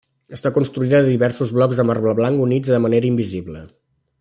Està constituïda de diversos blocs de marbre blanc units de manera invisible.